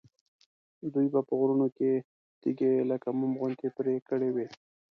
دوی به په غرونو کې تیږې لکه موم غوندې پرې کړې وي.